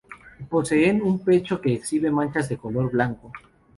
Poseen un pecho que exhibe manchas de color blanco.